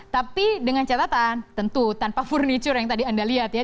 tapi dengan catatan tentu tanpa furniture yang tadi anda lihat ya